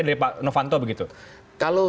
dari pak novanto begitu kalau